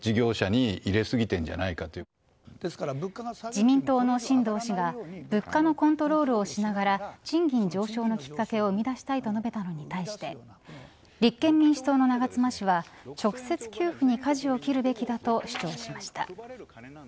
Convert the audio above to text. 自民党の新藤氏が物価のコントロールをしながら賃金上昇のきっかけを生み出したいと述べたのに対して立憲民主党の長妻氏は直接給付にかじを切るべきだと主張しました。